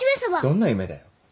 どんな夢だよ。